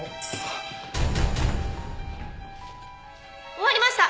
終わりました。